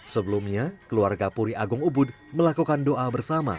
sebelumnya keluarga puri agung ubud melakukan doa bersama